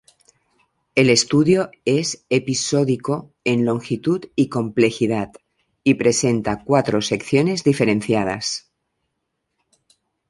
El estudio es episódico en longitud y complejidad y presenta cuatro secciones diferenciadas.